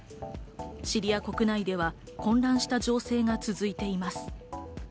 シリア国内では混乱した情勢が続いています。